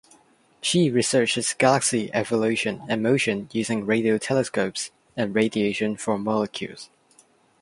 She researches galaxy evolution and motion using radio telescopes and radiation from molecules.